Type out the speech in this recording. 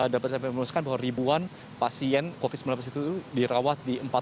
dapat saya meluruskan bahwa ribuan pasien covid sembilan belas itu dirawat di empat ratus